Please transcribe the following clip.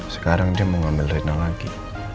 sekarang dia mau mengambil rina lagi